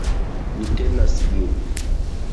Ni tenas lin!